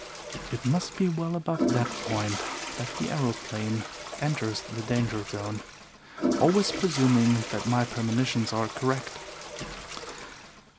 It must be well above that point that the aeroplane enters the danger zone always presuming that my premonitions are correct.